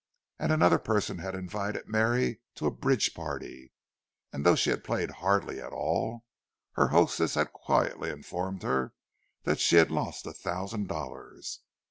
And another person had invited Mary to a bridge party, and though she had played hardly at all, her hostess had quietly informed her that she had lost a thousand dollars.